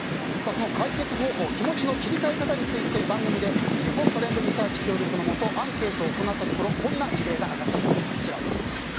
その解決方法気持ちの切り替え方について番組で日本トレンドリサーチ協力のもとアンケートを行ったところこんな事例が上がってきました。